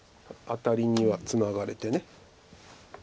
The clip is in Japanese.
アタリにはツナがれて。